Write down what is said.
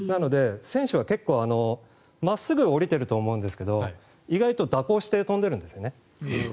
選手は真っすぐ降りると思うんですけど意外と蛇行して飛んでるんですね。